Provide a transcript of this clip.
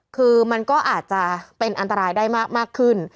คือมันก็อาจจะเป็นอันตรายได้มากขึ้น